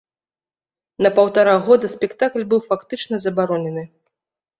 На паўтара года спектакль быў фактычна забаронены.